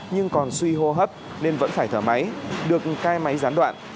nhưng còn suy hô hấp nên vẫn phải thở máy được cai máy gián đoạn